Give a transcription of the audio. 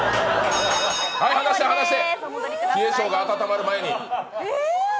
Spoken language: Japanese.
離して、離して、冷え性が温まる前に。